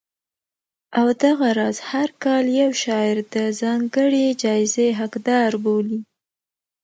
او دغه راز هر کال یو شاعر د ځانګړې جایزې حقدار بولي